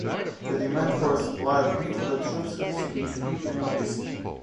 The demand for a supply of meat for the troops had significantly increased.